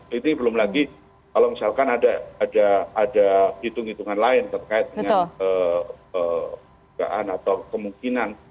jadi belum lagi kalau misalkan ada hitung hitungan lain terkait dengan kemungkinan